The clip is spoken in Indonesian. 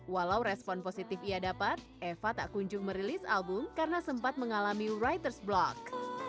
walau respon positif ia dapat eva tak kunjung merilis album karena sempat mengalami writers ⁇ block